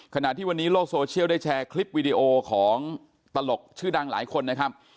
ขณะที่วันนี้โลกโซเชียลได้แชร์คลิปวิดีโอของตลกชื่อดังหลายคนนะครับ